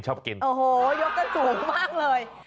โอ้โหยกกันสูงมากเลย